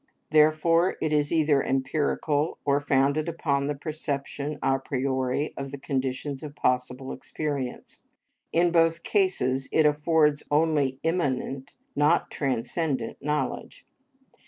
Therefore it is either empirical or founded upon the perception a priori of the conditions of possible experience. In both cases it affords only immanent, not transcendent knowledge.